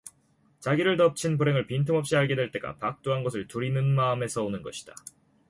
자기를 덮친 불행을 빈틈없이 알게 될 때가 박두한 것을 두리는 마음에서 오는 것이다.